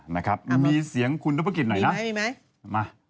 มาครับมีเสียงคุณนกพระกริจหน่อยครับมีไหม